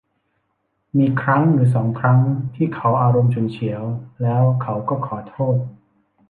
มีครั้งหรือสองครั้งที่เขาอารมณ์ฉุนเฉียว แล้วเขาก็ขอโทษ